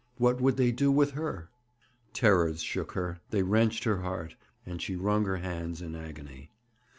What would they do with her? Terrors shook her; they wrenched her heart, and she wrung her hands in agony.